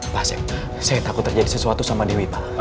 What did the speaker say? pak saya takut terjadi sesuatu sama dewi pak